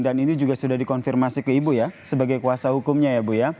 dan ini juga sudah dikonfirmasi ke ibu ya sebagai kuasa hukumnya ya bu